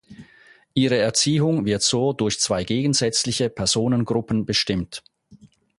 Ihre Erziehung wird so durch zwei gegensätzliche Personengruppen bestimmt.